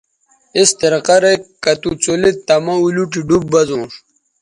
اس طریقہ رے کہ تُوڅولید تہ مہ اولوٹی ڈوب بزونݜ